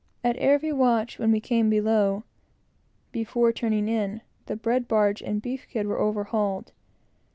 At every watch, when we came below, before turning in, the bread barge and beef kid were overhauled.